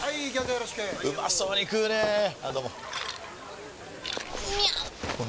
よろしくうまそうに食うねぇあどうもみゃう！！